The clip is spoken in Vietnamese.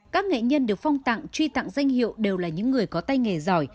các nghệ nhân được phong tặng truy tặng danh hiệu đều là những người có tay nghề giỏi